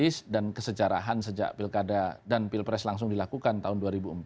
krisis dan kesejarahan sejak pilkada dan pilpres langsung dilakukan tahun dua ribu empat